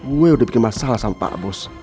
gue udah bikin masalah sama pak bus